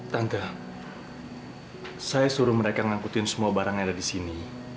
tangga saya suruh mereka ngangkutin semua barang yang ada di sini